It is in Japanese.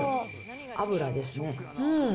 油ですね。